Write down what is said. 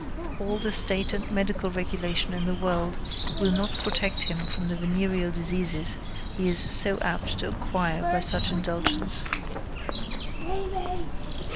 All the state and medical regulation in the world will not protect him from the venereal diseases he is so apt to acquire by such indulgence.